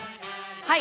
はい。